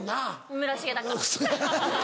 村重だから。